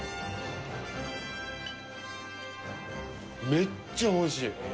めっちゃおいしい。